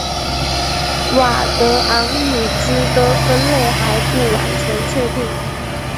佤德昂语支的分类还不完全确定。